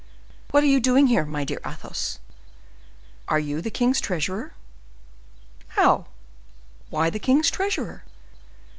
"What are you doing here, my dear Athos? Are you the king's treasurer?" "How—why the king's treasurer?"